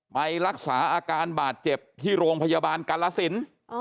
ไปรักษาอาการบาดเจ็บที่โรงพยาบาลกาลสิน